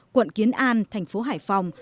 quận kiến an thành phố hải phòng